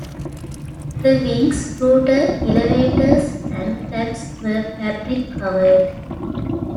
The wings, rudder, elevators and flaps were fabric covered.